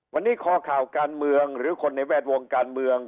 วันนี้คอข่าวการเมืองหรือคนในแวดวงการเมือง